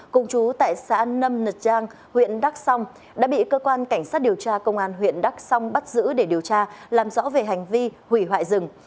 cùng chú tại xã nâm nật trang huyện đắk song đã bị cơ quan cảnh sát điều tra công an huyện đắk song bắt giữ để điều tra làm rõ về hành vi hủy hoại rừng